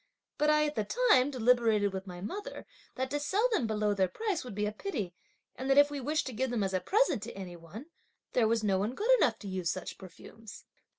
But I at the time, deliberated with my mother that to sell them below their price would be a pity, and that if we wished to give them as a present to any one, there was no one good enough to use such perfumes.